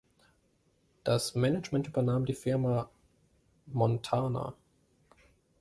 Das Management übernahm die Firma Montana.